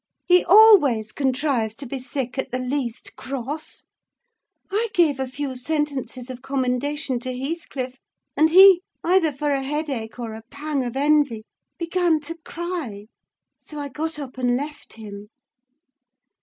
He always contrives to be sick at the least cross! I gave a few sentences of commendation to Heathcliff, and he, either for a headache or a pang of envy, began to cry: so I got up and left him."